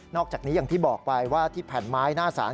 อกจากนี้อย่างที่บอกไปว่าที่แผ่นไม้หน้าศาล